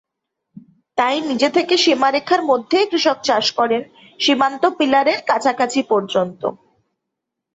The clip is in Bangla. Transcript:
তাই নিজ দেশের সীমারেখার মধ্যেই কৃষক চাষ করেন সীমান্ত পিলারের কাছাকাছি পর্যন্ত।